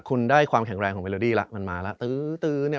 คุณได้ความแข็งแรงของเบลอดี้แล้วมันมาแล้วตื้อเนี่ย